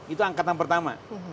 itu angkatan pertama